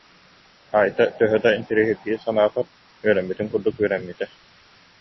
Айта, төһө да интэриэһиргии санаатар, үөрэммитин курдук үөрэммитэ